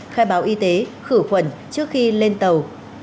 khai báo y tế khử khuẩn trước khi lên tàu